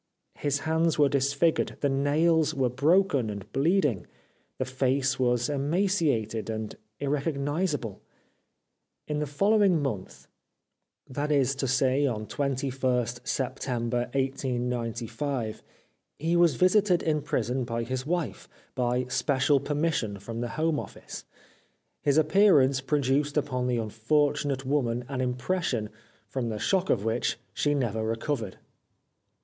His hands were disfigured, the nails were broken and bleeding, the face was emaciated and irrecognisable. In the following month — that is 373 The Life of Oscar Wilde to say on 21st September 1895 — he was visited in prison by his wife, by special permission from the Home Office. His appearance produced upon the unfortunate woman an impression, from the shock of which she never recovered.